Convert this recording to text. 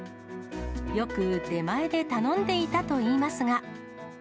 よく出前で頼んでいたといいますが。